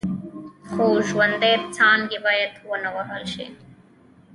خو ژوندۍ څانګې باید ونه وهل شي.